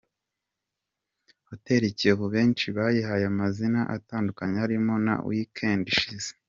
Hoteli Kiyovu benshi bayihaye amazina atandukanye arimo na Weekend ishize.